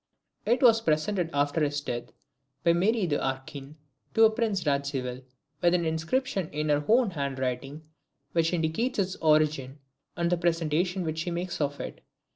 It was presented after his death, by Marie d'Arquin, to a Prince Radziwill, with an inscription in her own hand writing which indicates its origin, and the presentation which she makes of it.